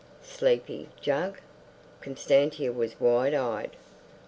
"Sleepy, Jug?" Constantia was wide eyed.